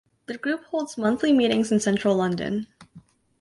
The group holds monthly meetings in central London.